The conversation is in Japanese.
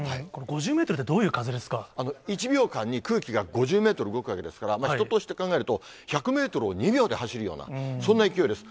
５０メートルって、どういう１秒間に空気が５０メートル動くわけですから、人として考えると、１００メートルを２秒で走るような、そんな勢いです。